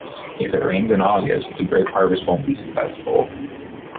If it rains in August, the grape harvest won’t be successful.